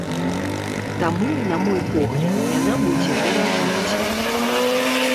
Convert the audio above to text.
Таму, на мой погляд, яна будзе даражэць.